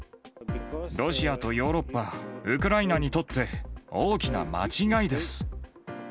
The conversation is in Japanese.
ロシアとヨーロッパ、ウクライナにとって、大きな間違いです。